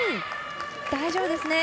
大丈夫ですね。